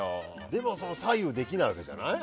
でも左右できないわけじゃない。